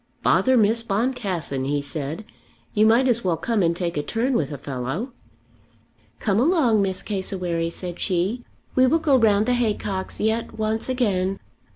"Bother Miss Boncassen," he said; "you might as well come and take a turn with a fellow." "Come along, Miss Cassewary," said she. "We will go round the haycocks yet once again."